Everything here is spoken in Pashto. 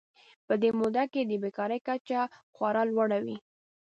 په دې موده کې د بېکارۍ کچه خورا لوړه وه.